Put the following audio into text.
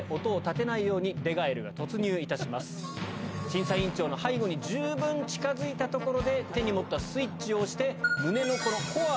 審査委員長の背後に十分近づいたところで手に持ったスイッチを押して。